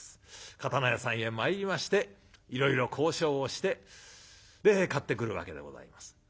刀屋さんへ参りましていろいろ交渉をしてで買ってくるわけでございます。